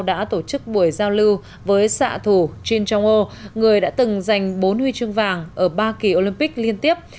đã tổ chức buổi giao lưu với xạ thủ jin jong ho người đã từng giành bốn huy chương vàng ở ba kỳ olympic liên tiếp